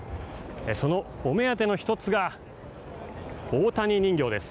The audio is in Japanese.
そのお目当ての一つが大谷人形です。